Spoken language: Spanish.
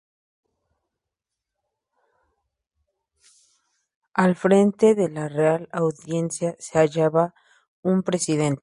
Al frente de la Real Audiencia se hallaba un presidente.